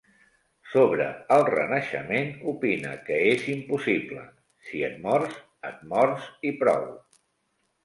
Sobre el Renaixement, opine que és impossible; si et mors, et mors i prou.